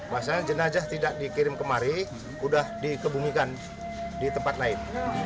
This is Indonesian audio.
bahwasannya jenazah tidak dikirim kemari sudah dikebumikan di tempat lain